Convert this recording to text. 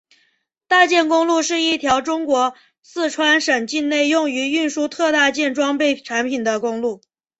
大件公路是一条中国四川省境内用于运输特大件装备产品的公路。